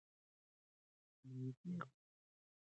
امنیت د اقتصاد لپاره اړین دی.